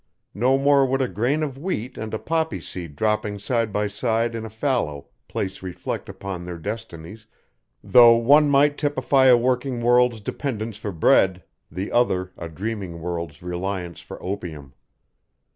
No more would a grain of wheat and a poppy seed dropping side by side in a fallow place reflect upon their destinies, though one might typify a working world's dependence for bread; the other a dreaming world's reliance for opium.